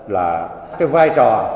là cái vai trò